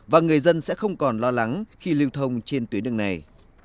và người dân sẽ không còn lo lắng khi lưu thông trên tuyến đường này